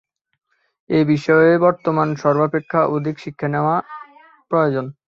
এই বিষয়েই বর্তমানে সর্বাপেক্ষা অধিক শিক্ষা দেওয়া প্রয়োজন।